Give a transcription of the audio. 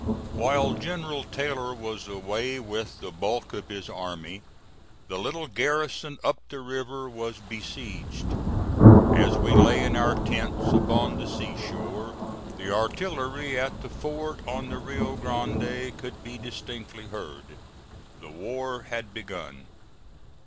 While General Taylor was away with the bulk of his army, the little garrison up the river was besieged. As we lay in our tents upon the sea shore, the artillery at the fort on the Rio Grande could be distinctly heard. The war had begun.